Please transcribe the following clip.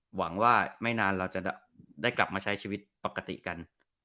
หวังว่าไม่นานเราจะได้กลับมาใช้ชีวิตปกติกัน